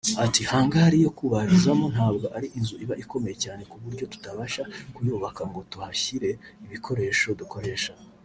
Ati “Hangari yo kubarizamo ntabwo ari inzu iba ikomeye cyane ku buryo tutabasha kuyubaka ngo tuhashyire ibikoresho dukoresha